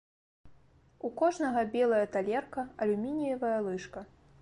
У кожнага белая талерка, алюмініевая лыжка.